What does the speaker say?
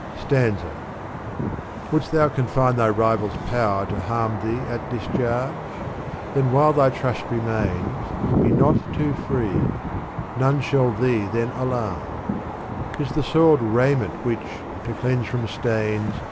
'' Sfanza. Wouldst thou confine thy rival's power to harm Thee at discharge? then while thy trust remains. Be not too free ; none shall thee then alarm. 'Tis the soiled raiment which, to cleanse from stains.